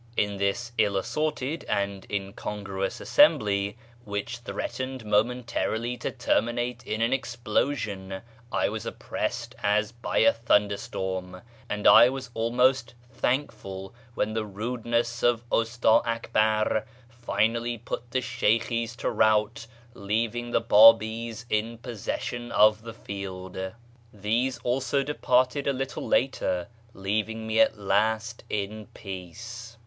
In this ill assorted and incongruous assembly, which threatened momentarily to terminate in an explosion, I was oppressed as by a thunderstorm, and I was almost thank ful when the rudeness of Usta Akbar finally put the Sheykhi's to rout, leaving the Babi's in possession of the field. These also departed a little later, leaving me at last in peace.